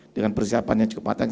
dengan persiapannya cukup matang